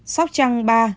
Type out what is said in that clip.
sóc trăng ba